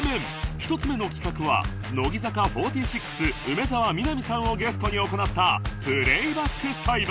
１つ目の企画は乃木坂４６梅澤美波さんをゲストに行ったプレイバック裁判